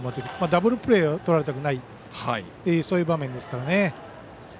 ダブルプレーをとられたくないそういう場面ですからね。